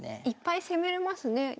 いっぱい攻めれますね。